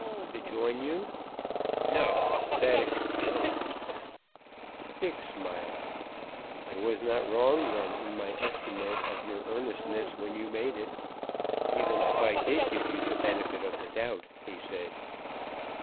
"To join you." "No, that is closed." Dick smiled. "I was not wrong, then, in my estimate of your earnestness when you made it, even if I did give you the benefit of the doubt," he said.